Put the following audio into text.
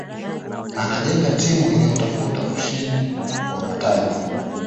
anajenga timu inayotafuta ushinda wa mataji